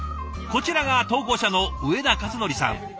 こちらが投稿者の上田和範さん。